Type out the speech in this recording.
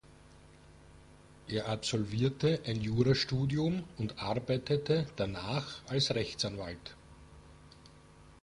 Er absolvierte ein Jurastudium und arbeitete danach als Rechtsanwalt.